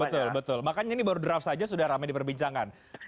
betul betul makanya ini baru draft saja sudah ramai diperbincangkan